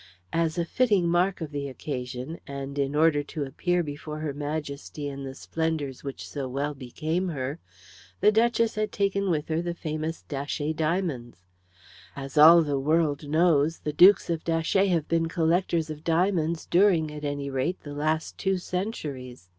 As a fitting mark of the occasion, and in order to appear before Her Majesty in the splendours which so well became her, the Duchess had taken with her the famous Datchet diamonds. As all the world knows the Dukes of Datchet have been collectors of diamonds during, at any rate, the last two centuries.